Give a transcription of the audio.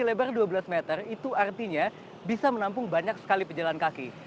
karena memiliki lebar dua belas meter itu artinya bisa menampung banyak sekali pejalan kaki